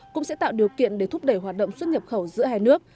cũng sẽ tạo điều kiện để thúc đẩy hoạt động xuất nhập khẩu giữa hai nước